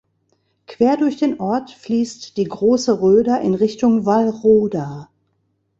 Quer durch den Ort fließt die Große Röder in Richtung Wallroda.